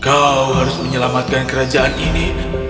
kau harus menyelamatkan kerajaan ini